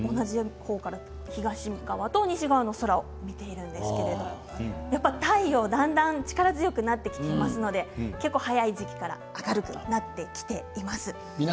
東側と西側の空を同じところから見ているんですけれどもだんだん太陽が力強くなってきていますので結構、早い時期から明るくなってきています。